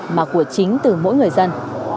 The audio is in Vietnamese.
mà của chính từ mỗi người dân